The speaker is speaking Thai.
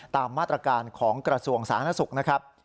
ตามมาตรการของกระทรวงศาลนักศึกษ์นะครับ